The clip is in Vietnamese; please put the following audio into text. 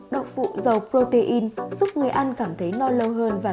đậu phụ giàu protein giúp người ăn cảm thấy no lâu hơn